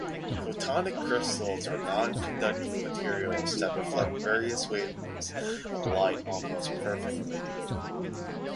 Photonic crystals are non-conducting materials that reflect various wavelengths of light almost perfectly.